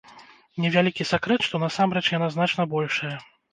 Невялікі сакрэт, што насамрэч яна значна большая.